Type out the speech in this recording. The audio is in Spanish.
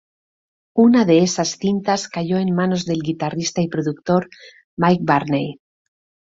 Una de esas cintas cayó en manos del guitarrista y productor Mike Varney.